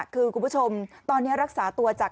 คือคุณผู้ชมตอนนี้รักษาตัวจาก